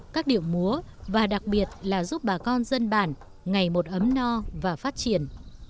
các điệu múa và đặc biệt là giúp bà con dân bản ngày một ấm no và phát triển